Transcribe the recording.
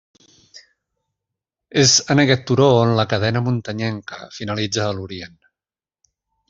És en aquest turó on la cadena muntanyenca finalitza a l'Orient.